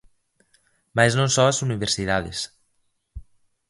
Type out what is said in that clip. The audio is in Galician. Mais non só as universidades.